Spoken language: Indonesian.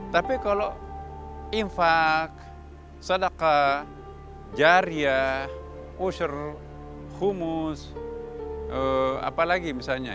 tapi kalau infak sedakah jariah usur humus apa lagi misalnya